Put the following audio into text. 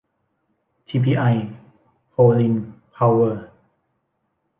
ทีพีไอ โพลีน เพาเวอร์